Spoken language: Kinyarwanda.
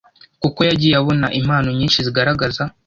kuko yagiye abona impano nyinshi zigaragaza